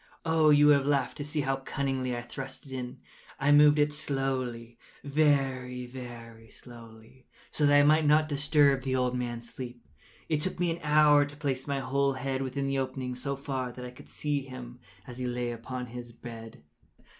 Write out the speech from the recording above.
Oh, you would have laughed to see how cunningly I thrust it in! I moved it slowly—very, very slowly, so that I might not disturb the old man’s sleep. It took me an hour to place my whole head within the opening so far that I could see him as he lay upon his bed.